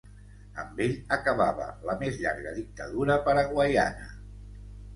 Amb ell acabava la més llarga dictadura paraguaiana.